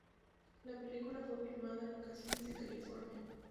La película fue filmada en locaciones de California.